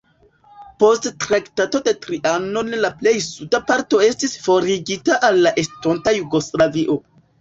Post Traktato de Trianon la plej suda parto estis forigita al la estonta Jugoslavio.